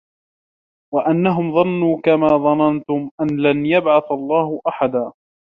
وَأَنَّهُم ظَنّوا كَما ظَنَنتُم أَن لَن يَبعَثَ اللَّهُ أَحَدًا